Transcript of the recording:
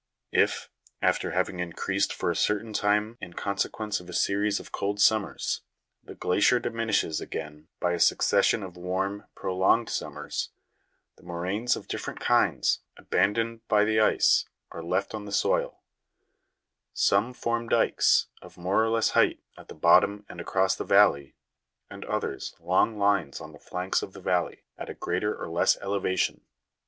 If, after having increased for a certain time in consequence of a series of cold summers, the glacier diminishes again by a succession of warm, prolonged summers, the moraines of different kinds, aban doned by the ice, are left on the soil ; some form dykes, of more or less height, at the bottom and across the valley, and others long lines on the flanks of the valley, at a greater or less elevation.